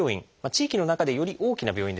地域の中でより大きな病院ですね